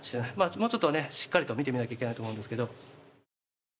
もうちょっとしっかりと見ていかないといけないと思うんですけど。